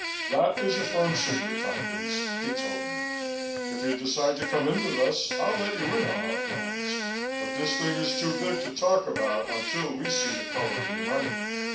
"That is a firm secret, Tompkins," he told me. "If you decide to come in with us, I'll let you in on our plans, but this thing is too big to talk about until we see the color of your money."